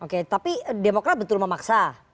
oke tapi demokrat betul memaksa